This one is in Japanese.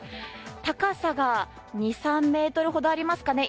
高さが２３ｍほどありますかね。